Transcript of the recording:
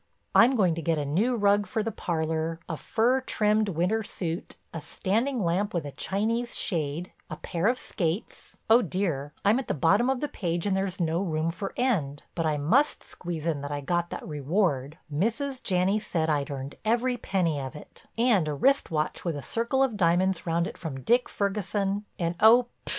I'm going to get a new rug for the parlor, a fur trimmed winter suit, a standing lamp with a Chinese shade, a pair of skates—oh, dear, I'm at the bottom of the page and there's no room for "End," but I must squeeze in that I got that reward—Mrs. Janney said I'd earned every penny of it—and a wrist watch with a circle of diamonds round it from Dick Ferguson, and—oh, pshaw!